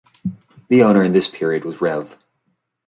The owner in this period was Rev.